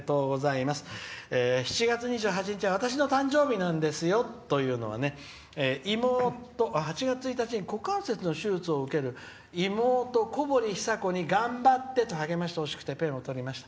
「７月２８日は私の誕生日なんですよ」というのは８月１日に股関節の手術を受ける妹、こぼりひさこに頑張ってと励ましてほしくてペンを執りました」。